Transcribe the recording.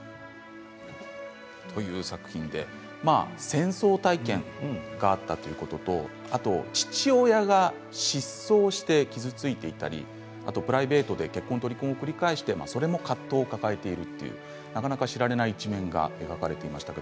戦争体験があったということとあと父親が失踪して傷ついていたりプライベートで結婚と離婚を繰り返してそれも葛藤を抱えているというなかなか知られない一面が描かれていました。